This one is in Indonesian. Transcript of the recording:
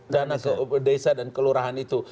dana ke desa dan kelurahan itu